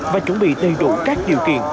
và chuẩn bị đầy đủ các điều kiện